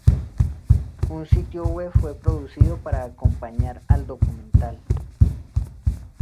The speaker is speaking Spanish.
Un sitio web fue producido para acompañar al documental.